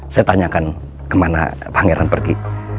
saya tanyakan kemana pangeran pergi